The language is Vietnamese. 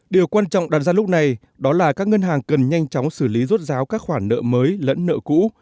điều quan trọng đặt ra lúc này đó là các ngân hàng cần nhanh chóng xử lý rốt ráo các khoản nợ mới lẫn nợ cũ